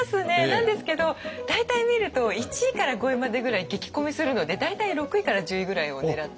なんですけど大体見ると１位から５位までぐらい激混みするので大体６位から１０位ぐらいを狙って。